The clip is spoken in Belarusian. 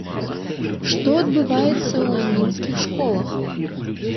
Што адбываецца ў мінскіх школах?